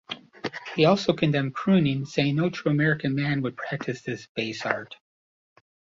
He also condemned crooning, saying, No true American man would practice this base art.